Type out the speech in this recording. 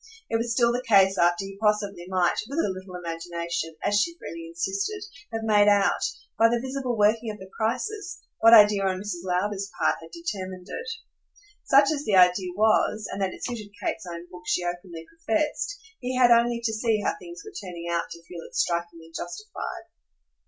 It was still the case after he possibly might, with a little imagination, as she freely insisted, have made out, by the visible working of the crisis, what idea on Mrs. Lowder's part had determined it. Such as the idea was and that it suited Kate's own book she openly professed he had only to see how things were turning out to feel it strikingly justified.